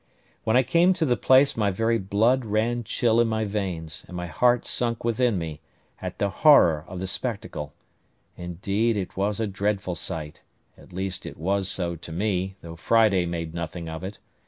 When I came to the place my very blood ran chill in my veins, and my heart sunk within me, at the horror of the spectacle; indeed, it was a dreadful sight, at least it was so to me, though Friday made nothing of it.